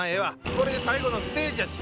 これで最後のステージやし！